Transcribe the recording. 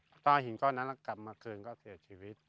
ถ้าเอาหินก้อนนั้นกลับมาคืนก็เสียชีวิต